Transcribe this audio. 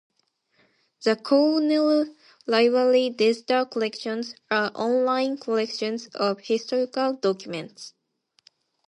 The Cornell Library Digital Collections are online collections of historical documents.